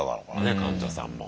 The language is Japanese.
患者さんも。